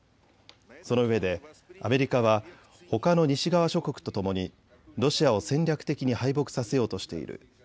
そのうえでアメリカは、ほかの西側諸国とともにロシアを戦略的に敗北させようとしている。